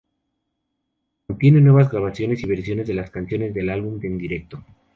Contiene nuevas grabaciones y versiones de las canciones del álbum en directo.